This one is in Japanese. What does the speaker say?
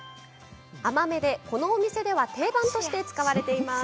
甘めで、このお店では定番として使われています。